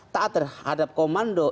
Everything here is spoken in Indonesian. tak terhadap komando